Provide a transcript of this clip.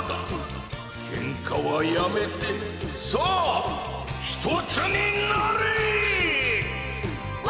けんかはやめてさあひとつになれ！